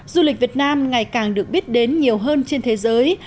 du lịch việt nam ngày càng được biết đến nhiều hơn trên thế giới